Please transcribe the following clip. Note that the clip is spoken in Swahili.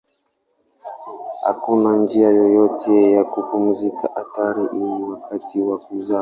Hakuna njia yoyote ya kupunguza hatari hii wakati wa kuzaa.